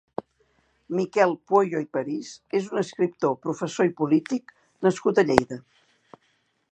Miquel Pueyo i París és un escriptor, professor i polític nascut a Lleida.